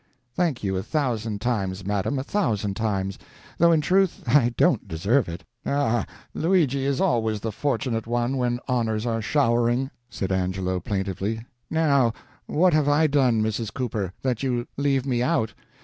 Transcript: "Thank you a thousand times, madam, a thousand times! though in truth I don't deserve it." "Ah, Luigi is always the fortunate one when honors are showering," said Angelo, plaintively; "now what have I done, Mrs. Cooper, that you leave me out?